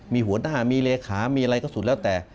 มีหัวหน้ามีเลขามีอะไรก็สุดแล้วแต่